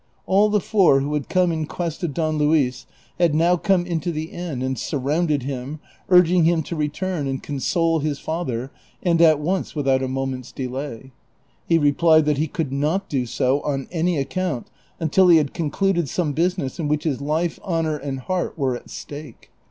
All the four who had come in quest of Don Luis had now come into the inn and surrounded him, urging him to re turn and console his father and at once without a moment's delay. He replied that he could not do so on any account until he had concluded some business in which his life, honor, and heart were at stake.